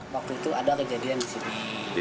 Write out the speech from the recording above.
waktu itu ada kejadian disini